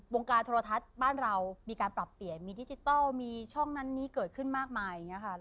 การโทรทัศน์บ้านเรามีการปรับเปลี่ยนมีดิจิทัลมีช่องนั้นนี้เกิดขึ้นมากมายอย่างนี้ค่ะ